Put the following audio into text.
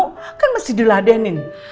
makan mesti diladenin